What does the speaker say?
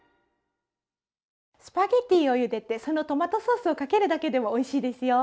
スパゲッティをゆでてそのトマトソースをかけるだけでもおいしいですよ。